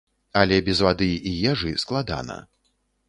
Але без вады і ежы складана.